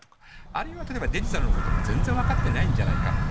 あるいはデジタルのことも全然分かっていないんじゃないか。